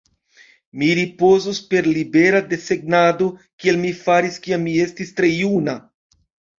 "Mi ripozos per libera desegnado, kiel mi faris kiam mi estis tre juna."